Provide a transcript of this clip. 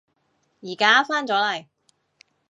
而家返咗嚟